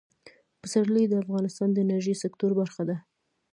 پسرلی د افغانستان د انرژۍ سکتور برخه ده.